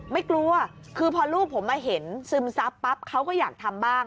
ไม่กลัวคือพอลูกผมมาเห็นซึมซับปั๊บเขาก็อยากทำบ้าง